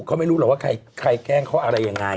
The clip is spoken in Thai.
เขาไม่รู้หรอกว่าใครแกล้งเขาอะไรยังไง